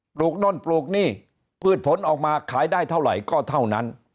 ลูกโน่นปลูกหนี้พืชผลออกมาขายได้เท่าไหร่ก็เท่านั้น